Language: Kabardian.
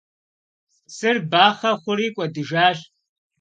Psır baxhe xhuri k'uedıjjaş.